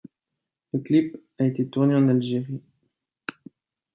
Le clip a été tourné en Algérie.